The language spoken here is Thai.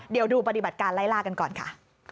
เดี๋ยวดูปฏิบัติการไล่ล่ากันก่อนค่ะ